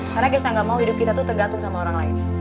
karena keisha gak mau hidup kita tuh tergantung sama orang lain